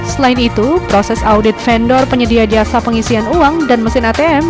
selain itu proses audit vendor penyedia jasa pengisian uang dan mesin atm